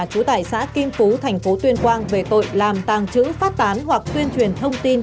trú tại xã kim phú thành phố tuyên quang về tội làm tàng trữ phát tán hoặc tuyên truyền thông tin